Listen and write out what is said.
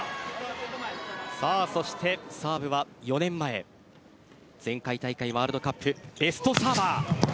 そしてサーブは４年前前回大会ワールドカップベストサーバー。